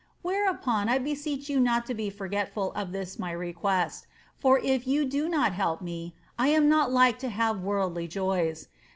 "Whereupon I beseech you not to be forgetful of this my request; for ifyw do not help me, I am not like to have worldly joys.